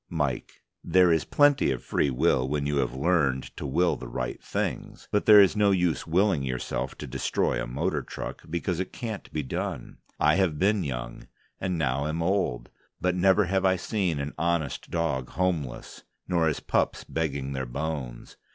MIKE: There is plenty of free will when you have learned to will the right things. But there's no use willing yourself to destroy a motor truck, because it can't be done. I have been young, and now am old, but never have I seen an honest dog homeless, nor his pups begging their bones.